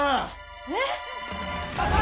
えっ？